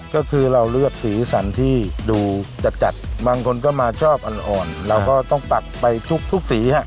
ก็คือเราเลือกสีสันที่ดูจัดบางคนก็มาชอบอ่อนเราก็ต้องปักไปทุกสีฮะ